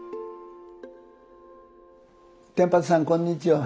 天畠さんこんにちは。